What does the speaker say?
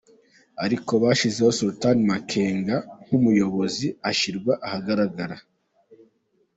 Ariko bashyizeho Sultani Makenga nk’umuyobozi ashyirwa ahagaragara.